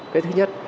cái thứ nhất